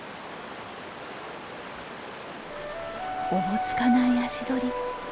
おぼつかない足取り。